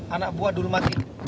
anak buah dulmati